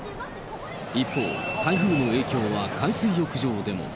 一方、台風の影響は海水浴場でも。